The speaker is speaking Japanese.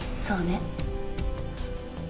そうね。